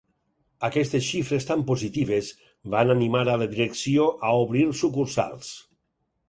Aquestes xifres tan positives van animar a la direcció a obrir sucursals.